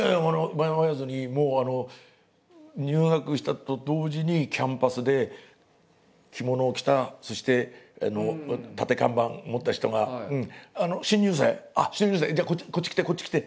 迷わずにもう入学したと同時にキャンパスで着物を着たそして立て看板持った人が「新入生？新入生じゃあこっち来てこっち来て。